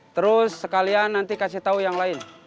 terus sekalian nanti kasih tahu yang lain